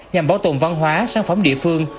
nhằm bảo tồn văn hóa sản phẩm địa phương